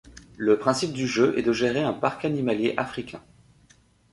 Le principe du jeu est de gérer un parc animalier africain.